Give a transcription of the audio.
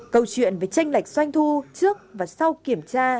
câu chuyện về tranh lệch doanh thu trước và sau kiểm tra